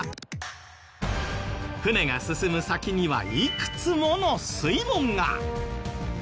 船が進む先にはいくつもの水門が。